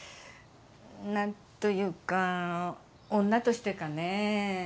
何というか女としてかね？